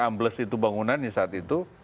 ambles itu bangunannya saat itu